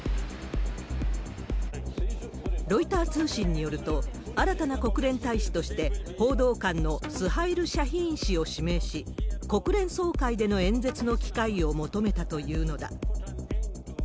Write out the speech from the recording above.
ロイター通信によると、新たな国連大使として、報道官のスハイル・シャヒーン氏を指名し、国連総会での演説の機会を求めたというのだ。